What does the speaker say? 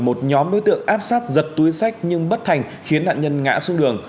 một nhóm đối tượng áp sát giật túi sách nhưng bất thành khiến nạn nhân ngã xuống đường